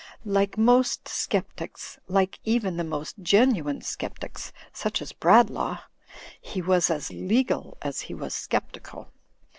Like most sceptics, like even the most genuine sceptics such as Bradlaugh, he was as legal as he was sceptical.